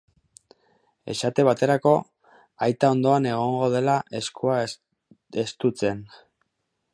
Esate baterako, aita ondoan egongo dela eskua estutzen.